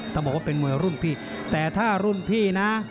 ต้องบอกว่าเป็นมวยรุ่นพี่แต่ถ้ารุ่นพี่นะ